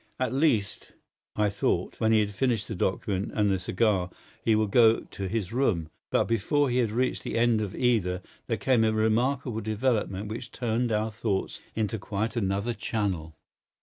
At least, I thought, when he has finished the document and the cigar he will go to his room; but before he had reached the end of either there came a remarkable development which turned our thoughts into quite another channel.